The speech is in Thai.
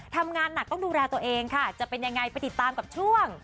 ทำงานหนักต้องดูแลตัวเองค่ะจะเป็นยังไงไปติดตามกับช่วง